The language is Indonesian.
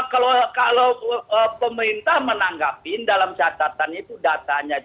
kalau pemerintah menanggapi dalam catatannya itu datanya